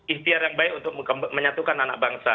ikhtiar yang baik untuk menyatukan anak bangsa